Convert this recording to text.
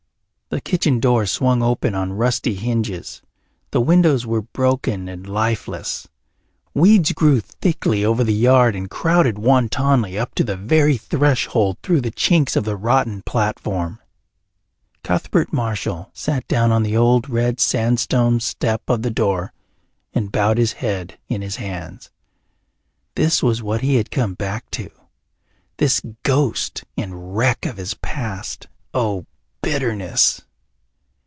The kitchen door swung open on rusty hinges; the windows were broken and lifeless; weeds grew thickly over the yard and crowded wantonly up to the very threshold through the chinks of the rotten platform. Cuthbert Marshall sat down on the old red sandstone step of the door and bowed his head in his hands. This was what he had come back to this ghost and wreck of his past! Oh, bitterness!